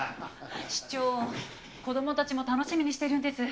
市長子供たちも楽しみにしてるんです。